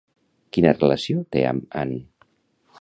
Quina relació té amb An?